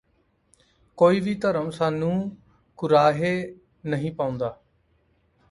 ਕੋਈ ਵੀ ਧਰਮ ਸਾਨੂੰ ਕੁਰਾਹੇ ਨਹੀਂ ਪਾਉਂਦਾ